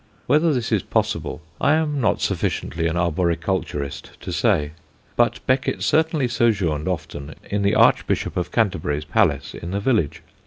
Whether this is possible I am not sufficiently an arboriculturist to say; but Becket certainly sojourned often in the Archbishop of Canterbury's palace in the village.